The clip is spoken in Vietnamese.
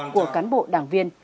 của cán bộ đảng viên